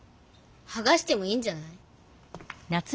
はがしてもいいんじゃない？